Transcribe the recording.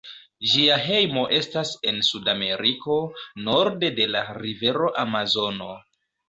Ĝia hejmo estas en Sudameriko, norde de la rivero Amazono.